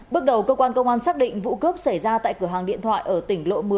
bước đầu cơ quan công an xác định vụ cướp xảy ra tại cửa hàng điện thoại ở tỉnh lộ một mươi